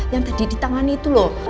yang tadi di tangan itu loh